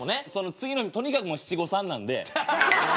次の日とにかく七五三なんで。